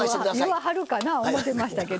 言わはるかな思てましてけど。